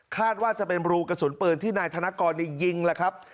ว่าจะเป็นรูกระสุนปืนที่นายธนกรยิงแล้วครับ